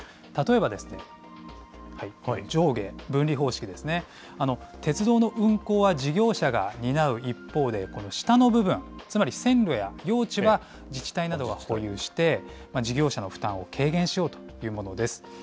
例えば、上下分離方式ですね、鉄道の運行は事業者が担う一方で、この下の部分、つまり線路や用地は、自治体などが保有して、事業者の負担を軽減しようというものです。